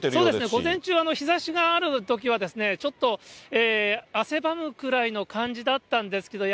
午前中、日ざしがあるときはですね、ちょっと汗ばむくらいの感じだったんですけど、